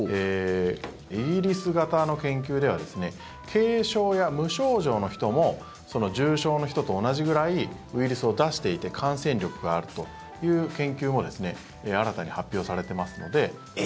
イギリス型の研究では軽症や無症状の人も重症の人と同じぐらいウイルスを出していて感染力があるという研究も新たに発表されていますので。